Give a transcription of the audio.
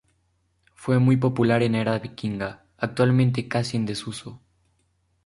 Fue muy popular en la Era vikinga, actualmente casi en desuso.